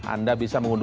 anda bisa menggunakan